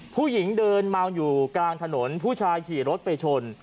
ผู้หญิงเดินเมาอยู่กลางถนนผู้ชายขี่รถไปชน